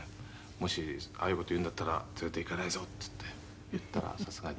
“もしああいう事言うんだったら連れて行かないぞ”っつって言ったらさすがに」